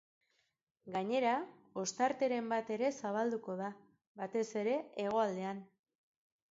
Gainera, ostarteren bat ere zabalduko da, batez ere hegoaldean.